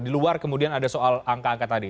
di luar kemudian ada soal angka angka tadi